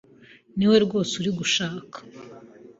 Niwe rwose urimo gushaka.